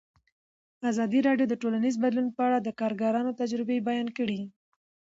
ازادي راډیو د ټولنیز بدلون په اړه د کارګرانو تجربې بیان کړي.